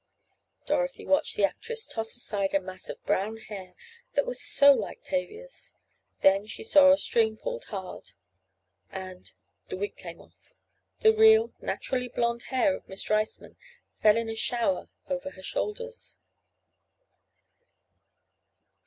Dorothy watched the actress toss aside a mass of brown hair that was so like Tavia's. Then she saw a string pulled and—the wig came off. The real, naturally blond hair of Miss Riceman fell in a shower over her shoulders.